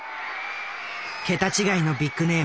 桁違いのビッグネーム。